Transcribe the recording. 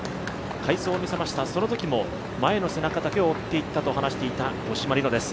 快走を見せたそのときも前の背中だけを追っていったと話していた五島莉乃です。